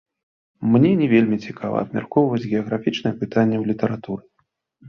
Мне не вельмі цікава абмяркоўваць геаграфічнае пытанне ў літаратуры.